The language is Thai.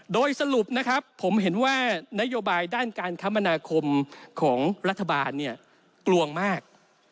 โดยสรุปนะครับผมเห็นว่านโยบายด้านการคมนาคมของรัฐบาลเนี่ยกลัวมาก